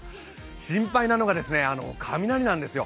心配なのは雷なんですよ。